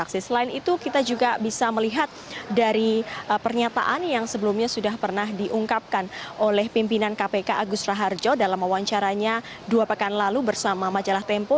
selain itu kita juga bisa melihat dari pernyataan yang sebelumnya sudah pernah diungkapkan oleh pimpinan kpk agus raharjo dalam wawancaranya dua pekan lalu bersama majalah tempo